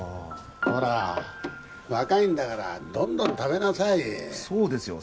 ほら若いんだからどんどん食べなさいそうですよ